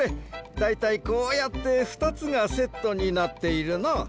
だいたいこうやって２つがセットになっているな。